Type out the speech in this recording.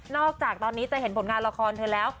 จากตอนนี้จะเห็นผลงานละครเธอแล้ว